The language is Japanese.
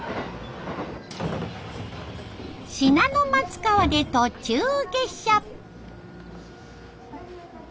信濃松川で途中下車。